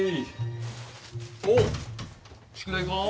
おっ宿題か？